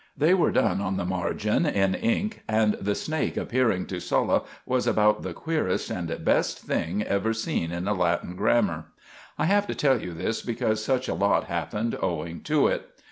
They were done on the margin in ink, and the snake appearing to Sulla was about the queerest and best thing even seen in a Latin grammar. I have to tell you this because such a lot happened owing to it.